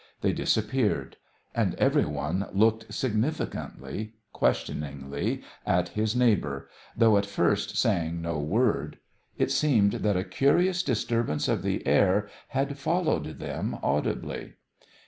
They disappeared. And every one looked significantly, questioningly, at his neighbour, though at first saying no word. It seemed that a curious disturbance of the air had followed them audibly.